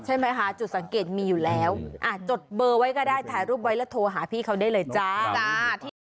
ใช่ไหมคะจุดสังเกตมีอยู่แล้วจดเบอร์ไว้ก็ได้ถ่ายรูปไว้แล้วโทรหาพี่เขาได้เลยจ้า